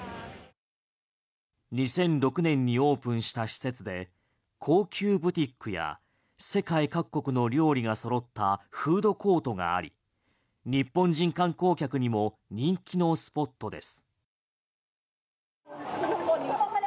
２００６年にオープンした施設で高級ブティックや世界各国の料理が揃ったフードコートがあり日本人観光客にも人気のスポットです。